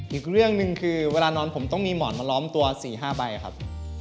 อีกเรื่องหนึ่งคือเวลานอนผมต้องมีหมอนมาล้อมตัว๔๕ใบครับ